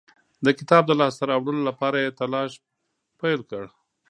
د کتاب د لاسته راوړلو لپاره یې تلاښ پیل کړ.